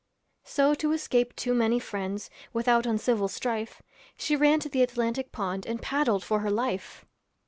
So to escape too many friends, Without uncivil strife, She ran to the Atlantic pond And paddled for her life.